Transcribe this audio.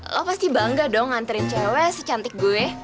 lo pasti bangga dong nganterin cewek secantik gue